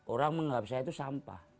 orang menganggap saya itu sampah